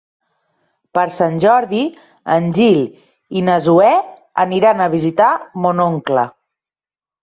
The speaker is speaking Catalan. Per Sant Jordi en Gil i na Zoè aniran a visitar mon oncle.